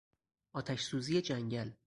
آتش سوزی جنگل